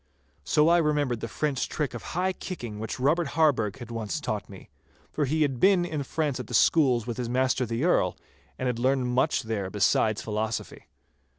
So I remembered a French trick of high kicking which Robert Harburgh had once taught me, for he had been in France at the schools with his master the Earl, and had learned much there besides philosophy.